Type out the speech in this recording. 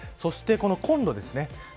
そして、このコンロですね。